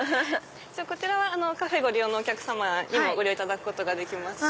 こちらはカフェご利用のお客さまもご利用いただけます。